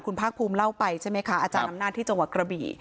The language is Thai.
คุณภาคภูมิเล่าไปใช่ไหมคะอาจารย์อำนาจที่จังหวัดกระบี่